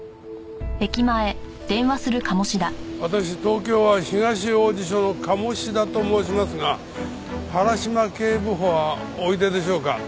私東京は東王子署の鴨志田と申しますが原島警部補はおいででしょうか？